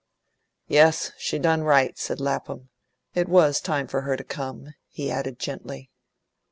"Yes, she done right," said Lapham. "It was time for her to come," he added gently.